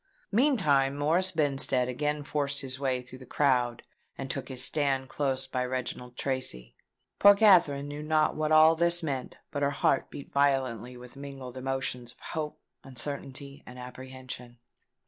Meantime Morris Benstead again forced his way through the crowd, and took his stand close by Reginald Tracy. Poor Katherine knew not what all this meant; but her heart beat violently with mingled emotions of hope, uncertainty, and apprehension.